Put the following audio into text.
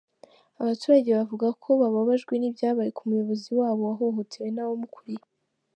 Abaturage bavuga ko bababajwe n’ibyabaye ku muyobozi wabo, wahohotewe n’abamukuriye.